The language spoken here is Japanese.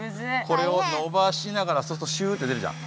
これをのばしながらそうするとシューッて出るじゃん。